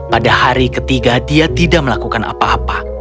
pada hari ketiga dia tidak melakukan apa apa